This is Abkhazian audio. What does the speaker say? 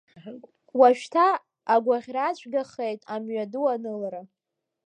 Уажәшьҭа агәаӷьра цәгьахеит амҩаду анылара.